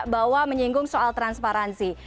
bahwa menyinggung soal transparansi